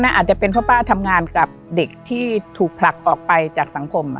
อาจจะเป็นเพราะป้าทำงานกับเด็กที่ถูกผลักออกไปจากสังคม